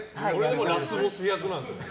ラスボス役なんですね。